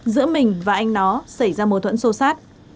giữa mình và anh nó xảy ra mối thuẫn sâu sát